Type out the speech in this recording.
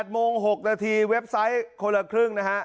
โมง๖นาทีเว็บไซต์คนละครึ่งนะฮะ